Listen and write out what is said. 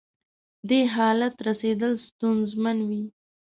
دې حالت رسېدل ستونزمن وي.